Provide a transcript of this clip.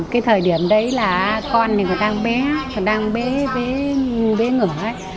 cái thời điểm đấy là con này còn đang bé còn đang bé ngửa ấy